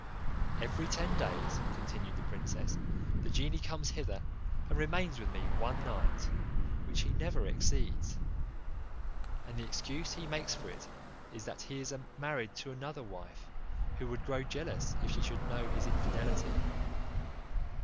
"Every ten days," continued the princess, "the genie comes hither, and remains with me one night, which he never exceeds; and the excuse he makes for it is, that he is married to another wife, who would grow jealous if she should know his infidelity.